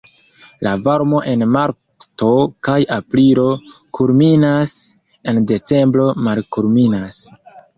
La varmo en marto kaj aprilo kulminas, en decembro malkulminas.